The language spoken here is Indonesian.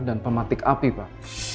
dan pematik api pak